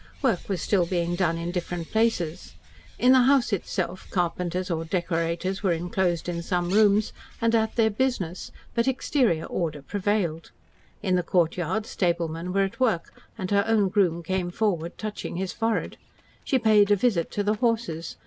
Work was still being done in different places. In the house itself carpenters or decorators were enclosed in some rooms, and at their business, but exterior order prevailed. In the courtyard stablemen were at work, and her own groom came forward touching his forehead. She paid a visit to the horses.